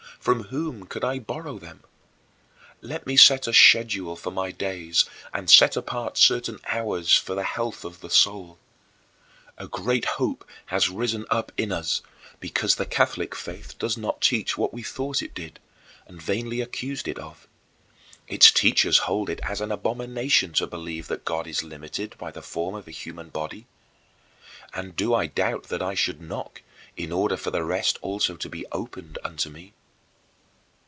From whom could I borrow them? Let me set a schedule for my days and set apart certain hours for the health of the soul. A great hope has risen up in us, because the Catholic faith does not teach what we thought it did, and vainly accused it of. Its teachers hold it as an abomination to believe that God is limited by the form of a human body. And do I doubt that I should 'knock' in order for the rest also to be 'opened' unto me?